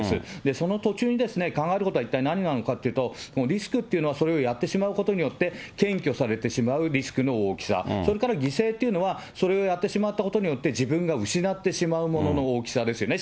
その途中に考えることは一体なんなのかというと、もうリスクっていうのは、それをやってしまうことによって、検挙されてしまうリスクの大きさ、それから犠牲っていうのは、それをやってしまったことによって、自分が失ってしまうものの大きさですよね。